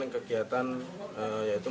yang berkaitan dengan